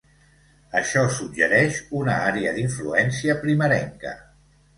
Això suggereix una àrea d'influència primerenca.